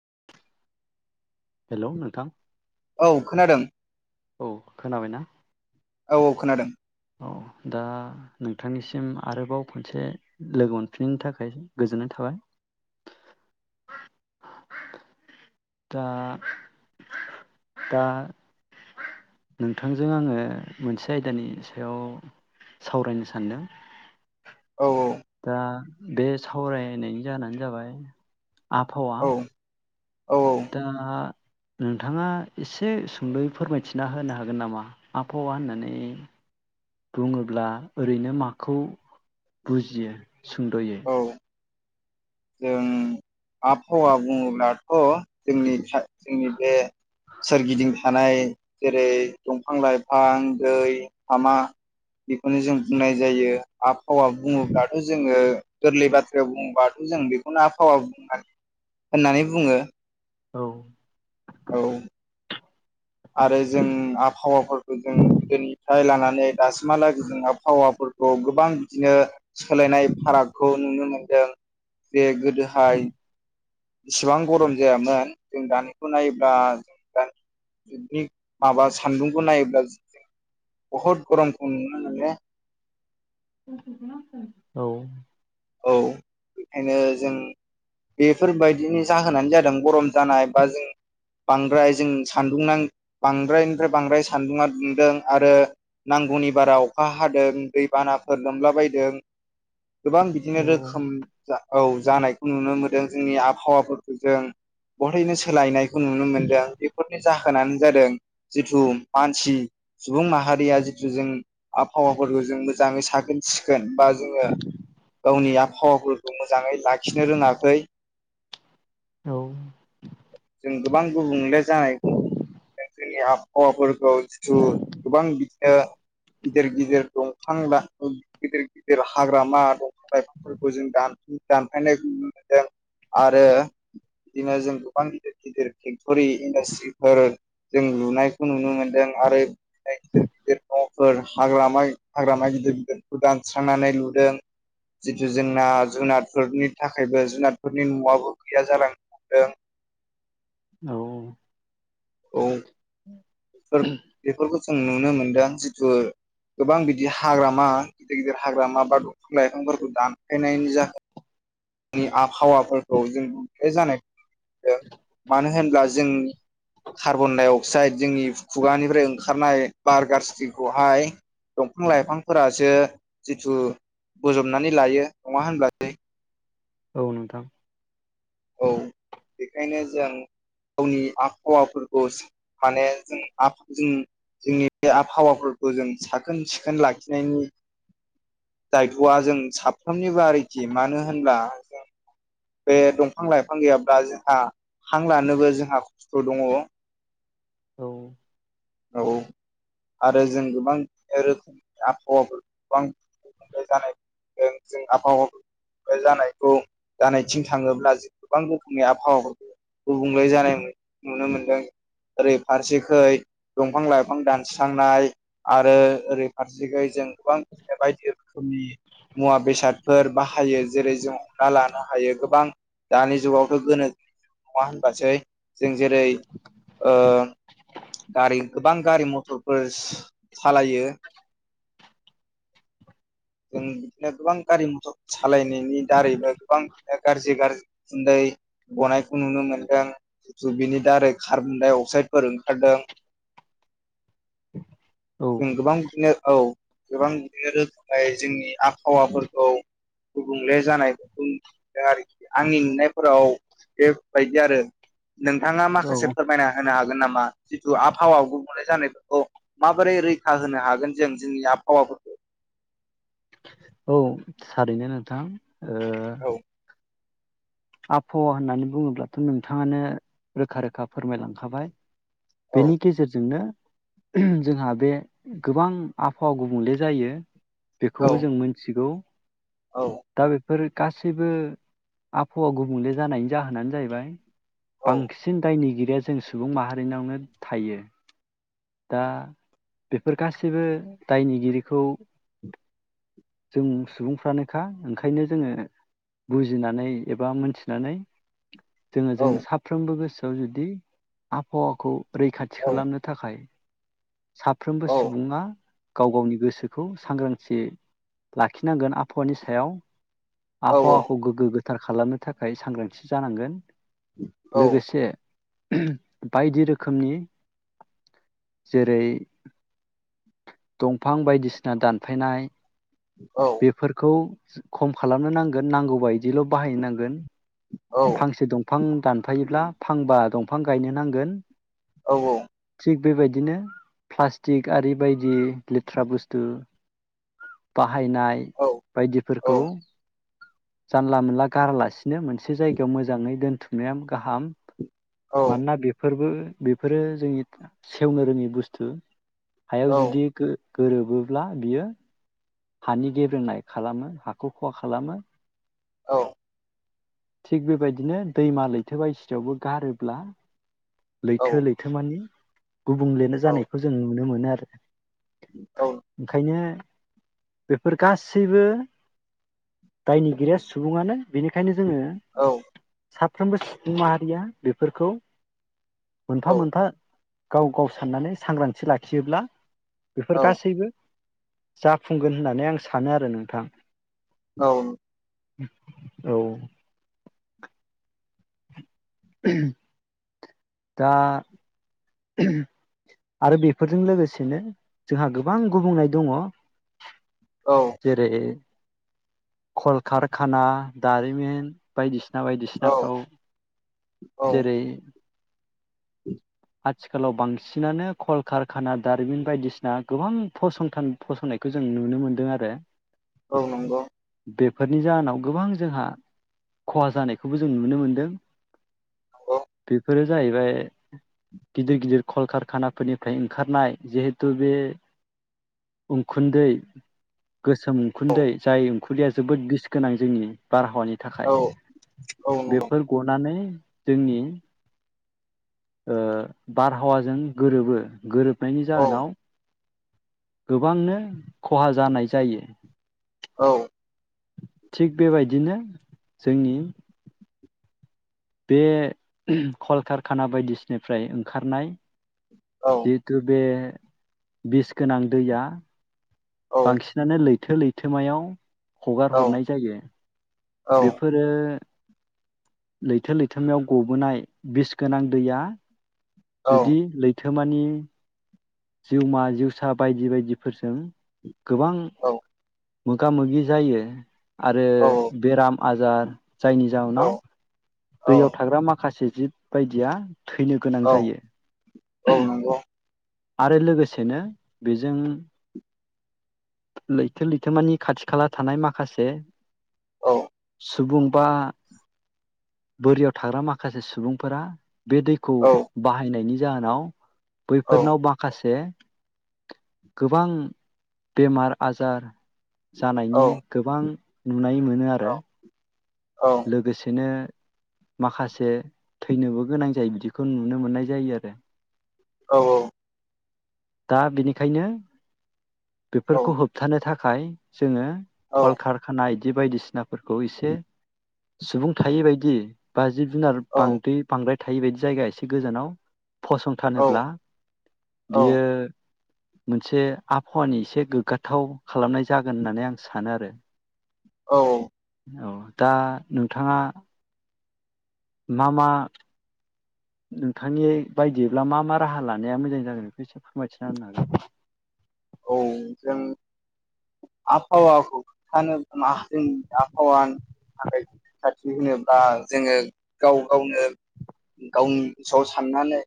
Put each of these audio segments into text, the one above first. लांदां हेलोव नोंथां? औ खोनादों। औ खोनाबायना? औ औ खोनादों। औ दा नोंथांनिसिम आरोबाव खनसे लोगो मोनफिननायनि थाखाय गोजोननाय थाबाय दा-दा नोंथांजों आंङो मोनसे आयदानि सा याव सावरायनो सान्दों। औ दा बे सावरायनायनि जाहोनानो जाबाय आबहावा औ औ दा नोंथाङा एसे सुंद'यै फोरमायथिना होनो हागोन नामा आबहावा होननानै बुङोब्ला ओरैनो माखौ बुजियो सुंद'यै औ जों आबहावा बुङोब्लाथ' जोंनि जोंनि बे सोरगिदिं थानाय जेरै दंफां लाइफां दै हामा बेखौनो जों बुंनाय जायो आबहावा बुङोब्लाथ' जोङो गोरलै बाथ्रायाव बुङोब्ला जों बेखौनो आबहावा होननानै बुङो औ औ आरो जों आबहावाफोरखौ जों गोदोनिफ्राय लाना माने दासिमहालागै जों आबहावाफोर खौ गोबां बिदिनो सोलायनाय फारागखौ नुनो मोनदों जे गोदोहाय इसिबां गरम जायामोन जों दानिखौ नायोब्ला जों दानि जुगनि माबा सान्दुंखौ नायोब्ला बहुद गरमखौ नुनो मोनो [unintelligible] औ औ बेखायनो जों बेफोरबायदिनि जाहोनानो जादों गरम जानाय बा जों बांद्राय जों सानदुं बांद्रायनिफ्राय बांद्राय सानदुंङा दुंदों आरो नांगौनि बारा अखा हादों दैबानाफोर लोमलाबायदों गोबां बिदिनो रोखोम औ औ जानायखौ नुनो मोनदों जोंनि आबहावाफोरखौ जों बेवहायनो सोलायनाय खौ नुनो मोनदों बेफोरनि जाहो जाहोनानो जादों जिथु मानसि सुबुं माहारिया जिथु जों आबहावाफोरखौ जों मोजाङै साखोन सिखोन बा जोङो गावनि आबहावाफोरखौ मोजाङै लाखिनो रोङाखै औ जों गोबां गुबुंले जानायखौ नुनो जोंनि आबहावाफोरखौ जिथु गोबां बिदिनो ओ गिदिर गिदिर दंफां गिदिर गिदिर हाग्रामा दंफां लाइफांफोरखौ जों दानफा-दानफायनायखौ नुनो मोनदों आरो बिदिनो जों गोबां गिदिर गिदिर फेक्टरि इन्डास्ट्रिफोर जों लुनायखौ नुनो मोनदों आरो गिदिर गिदिर न'फोर हाग्रामा गिदिर गिदिरखौ दानस्रांनानै लुदों जितु जोंना जुनादफोरनि थाखायबो जुनादफोरनि न'आबो गैया जालांनो हमदों औ औ औ फोर-बेफोरखौ जों नुनो मोनदों जिथु गोबां बिदि हाग्रामा गिदिर गिदिर हाग्रामा बा दंफां लाइफांफोरखौ दानफायनायनि जाहोन जोंनि आबहावाफोरखौ जोंनि जानायखौ मानो होनब्ला जोंनि कार्बन डाइ अक्साइड जोंनि खुगानिफ्राय ओंखारनाय बार गाज्रिखौहाय दंफां लाइफांफोरासो जिथु बोजबनानै लायो नङा होनब्ला औ नो़थां औ बेखायनो जों गावनि आबहावाफोरखौ माने जों जों जोंनि बे आबहावाफोरखौ जों साखोन सिखोन लाखिनायनि दायथ'आ जों साफ्रोमनिबो आरोखि मानो होनब्ला जों बे दं फां लाइफां गैयाब्ला जोंहा हां लानोबो जोंहा खस्थ' दङ औ औ औ आरो जों गोबां रोखोमनि आबहावाफोरखौ गोबां गुबुंले जानाय जों आबहावा गुबुंले जानायखौ जानायथिं थाङोब्ला जों गोबां रोखोमनि आबहावाफोरखौ गुबुंले जानाय नुनो मोनदों आरो फारसेखै दंफां लाइफां दानस्रांनाय आरो ओरै फारसेखै जों गोबां बायदि रोखोमनि मुवा बेसादफोर बाहायो जेरै जों हमना लानो हायो गोबां दानि जुगावथ' गोनो नङा होनबासै जों जेरै ओ गारि गोबां गारि मथरफोर सालायो जों बिदिनो गोबां गारि मथर सालायनायनि दारैबो गोबां ओ गारजि गारजि उखुन्दै गनायखौ नुनो मोनदों जिथु बेनि दारै खार्बन डाइ अक्साइदफोर ओंखारदों। जों औ गोबां बिदिनो औ गोबां बिदिनो रोखोमै जोंनि आबहावाफोरखौ गुबुंले जानायखौ नुबोदों आरोखि आंनि नुनायफोराव बेबायदि आरो नोंथाङा औ माखासे फोरमायना होनो हा गोन नामा? जिथु आभावा गुबुंले जानायफोरखौ माबोरै रैखा होनो हागोन जों जोंनि आबहावाफोरखौ? औ थारैनो नोंथां। ओ औ आबहावा होननानै बुङोब्लाथ' नोंथाङानो रोखा रोखा फोरमायलांखाबाय। औ बेनि गेजेरजोंनो जोंहा बे गोबां आबहावा गुबुंले जायो। औ बेखौबो जों मोनथिगौ औ दा बेफोर गासैबो आब हावा गुबुंले जानायनि जाहोनानो जाहैबाय औ बांसिन दायनिगिरि बे जों सुबुं माहारिनावनो थायो। दा बेफोर गासैबो दायनिगिरिखौ जों सुबुंफ्रानोखा ओंखायनो जोङो बुजिनानै एबा मोनथिनानै जोङो जों औ साफ्रोमबो गोसो खौ जुदि आबहावाखौ रैखाथि औ खालामनो थाखाय औ साफ्रोमबो सुबुङा गाव गावनि गोसोखौ सांग्रांथियै लाखिनांगोन आबहावानि सायाव। आबहावाखौ गोगगो गो थार खालामनो थाखाय सांग्रांथि जानांगोन। लोगोसे बायदि रोखोमनि जेरै दंफां बायदिसिना दानफायनाय, बेफोरखौ खम खालामनो नांगोन नांगौबायदियैल' बाहायनो नांगोन। फांसे दंफां दानफायोब्ला फांबा दंफां गायनो नांगोन। औ औ थिग बेबायदिनो फ्लास्टिक आरि बेबायदि लेथ्रा बुस्थु बा हायनाय बायदिफोरखौ जानला मोनला गारलासि नो मोनसे जायगायाव मोजांङै दोनथुम मेम गाहाम मानोना बेफोरबो बेफोरो जोंनि सेवनो रोंङि बुस्थु हायाव जुदि गो गोरोबोब्ला बियो हानि गेबेंनाय खालामो हाखौ खहा खालामो। औ थिग बेबायदिनो दैमा लैथो बायसियावबो गारोब्ला लैथो लैथो मानि गुबुंलेनो जानायखौ जों नुनो मोनो आरो। ओंखायनो बेफोर गासैबो दायनिगिरिया सुबुंङानो। बेनिखायनो जोंङो सा फ्रोमबो सुबुं माहारिया बेफोरखौ मोनफा मोनफा गाव गाव साननानै सांग्रांथि लाखियोब्ला बेफोर गासैबो जाफुंगोन होननानै आं सानो आरो नोंथां औ औ दा आरो बेफोरजों लोगोसेनो जोंहा गोबां गुबुंनाय दंङ। जेरै- कलकारखाना दारिमिन बायदिसि ना बायदि औ सिनाफ्राव औ जेरै- [inaudible] आथिखालाव बांसिनानो कलकारखाना दारिमिन बायदिसिना गोबां फसंथान फसंनायखौ जों नुनो मोनदों आरो। औ नंगौ। बेफोरनि जाहोनाव गोबां जोंहा खहा जानायखौबो जों नुनो मोनदों। औ बेफोर जाहैबाय गिदिर गिदिर कलकारखाना फोरनिफ्राय ओंखारनाय जिहेथु बे उखुन्दै गोसोम उखुन्दै जाय उंखुन्दैया जोबोद बिस गोनां जोंनि बारहावानि औ थाखाय नंगौ बेफोर गनानै जोंनि ओ बारहावाजों गोरोबो गोरोब नायनि औ जाहोनाव गोबांनो खहा जानाय जायो। औ। थिग बेबायदिनो जोंनि बे कलकारखाना बायदिसिनिफ्राय ओंखारनाय औ जिहुथु बे बिस गोनां दैया औ बांसिनानो लै थो लैथोमायाव हगार औ हरनाय जायो। औ बेफोरो लैथो लैथोमायाव गबोनाय बिस गोनां दैया औ जुदि लै थोमानि जिउमा जिउसा बायदि बायदिफोरजों गोबां मोगा मोगि जायो आरो औ बेराम आजार जायनि जाहोनाव दैयाव थाग्रा माखासे जिब बायदिया थैनो गोनां जायो नंगौ आरो लोगोसेनो बेजों लैथो लैथोमानि खाथि खाला थानाय माखासे औ। सुबुं बा बोरियाव थाग्रा माखासे सुबुंफोरा बे दैखौ बाहायनायनि जाहोनाव औ बैफोरनाव माखासे गोबां बेमार आजार जानायनि गोबां नुनाय मोनो आरो। लोगोसेनो माखासे थैनोबो गोनां जायो बिदिखौ नुनो मोननाय जायो आरो। औ औ। दा बेनिखायनो बेफोरखौ होबथानो था खाय जोङो कल खारखानाय बिदि बायदिसिना फोरखौ एसे सुबुं थायै बादि बाजिब जुनार बांदै बांद्राय थायि बायदि जायगाया एसे गोजानाव फसंथानोब्ला बियो मोनसे आबहावानि एसे गोग्गाथाव खालामनाय जागोन होननानै आं सानो आरो। औ औ दा नोंथाङा मा मा नोंथांनि बायदिब्ला मा मा राहा लानाया मोजां जागोन बेखौ एसे फोरमायथिना होनो हागोन नामा? औ जों आबहावाखौ खोनथानो जोंनि आबहावानि थाखाय रैखाथि होनोब्ला जोङो गाव गावनो गावनि गोसोआव साननानै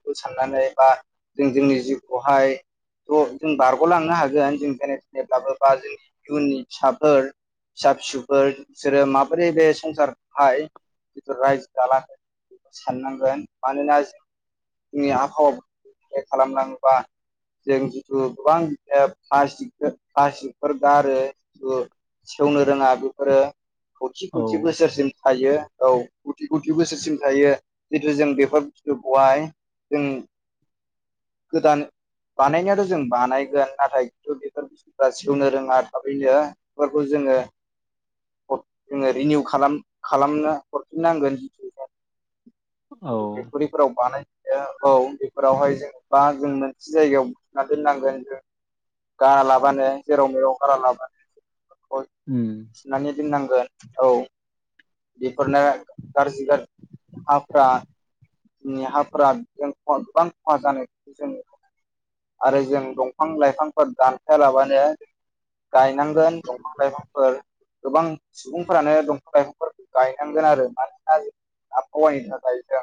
खौ साननानै बा जों जोंनि जिउखौहाय थ' जों बारग'लांनो हागोन जों जेने थेनेब्लाबो बा जोंनि इयुननि फिसाफोर फिसा फिसौफोर बिसोरो माबोरै बे संसारखौहाय जिथु रायजो जालांगोन बेखौ साननांगोन मानोना जों जोंनि आबहावाखौ गुबुंले खालामलाङोबा जों जिथु गोबां फ्लास्टिकफोर गारो जिथु सेवनो रोङा बेफोरो। खौथि औ खौथि बोसोरसिम थायो औ गुथि गुथि बोसोरसिम थायो जितु जों बेफोर बुस्थुखौहाय जों गोदान बानायनायाथ' जों बानायगोन नाथाय खिन्थु बेफोर बुस्थुफ्रा सेवनो रोङा थाबैनो बेफोरखौ जोङो जोङो रिनिउ खालाम खालामनो हरफिनोनांगोन जिथु औ फेक्थरिफोरा बानाय औ बेफोरावहाय जों बा जों मोनसे जायगायाव बुथुमना दोननांगोन जों गालाबानो जेराव मेराव गारा लाबानो। उम सुनानै दोननांगोन औ बेफोरनो गाज्रि गाज्रि हाफोरा जोंनि हाफोरा गोबां खहा जानाय जों नुनो मोनो। आरो जों दंफां लाइफांफोर दानफाया लाबानो गायनांगोन दंफां लाइफांफोर गोबां सुबुंफोरानो दंफां लाइफां गायनांगोन आरो मानोना जों आबहावानि थाखाय जों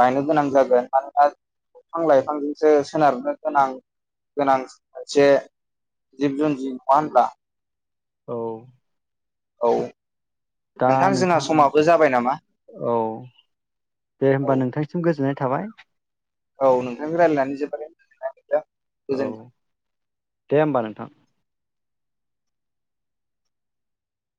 गायनो गोनां जागोन मानोना दंफां लाइफां जों सो सोनारनो गोनां गोनां मोनसे जिब जुन्जि नङा होनब्ला? औ औ दा जोंहा नोंथां समाबो जाबाय नामा औ दे औ होनबा नोंथांनिसिम गोजोननाय थाबाय। औ नोंथांजों रायलायनानै जोबोरै मोननाय मोन्दों गोजोनथों। थां।